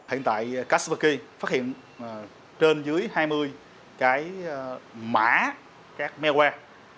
hiện tại casperkey phát hiện trên dưới hai mươi cái mã các malware